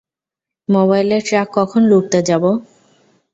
মোবাইলের ট্রাক কখন লুটতে যাব?